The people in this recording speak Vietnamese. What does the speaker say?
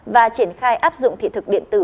và triển khai áp dụng thị thực điện tử